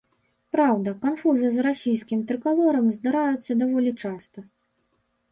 Праўда, канфузы з расійскім трыкалорам здараюцца даволі часта.